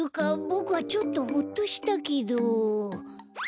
ボクはちょっとホッとしたけど。